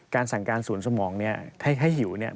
สั่งการสวนสมองเนี่ยให้หิวเนี่ย